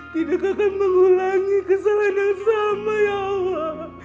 tidak akan mengulangi kesalahan yang sama ya allah